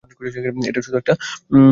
এটা শুধু একটা সামাজিক সাক্ষাত?